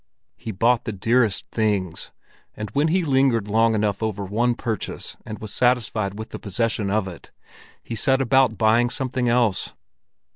He bought the dearest things, and when he lingered long enough over one purchase and was satiated with the possession of it, he set about buying something else.